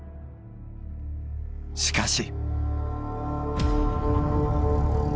しかし。